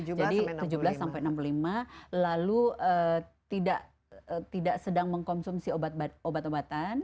jadi tujuh belas sampai enam puluh lima lalu tidak sedang mengkonsumsi obat obatan